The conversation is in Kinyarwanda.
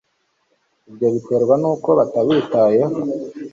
ibyo biterwa nuko batabitayeho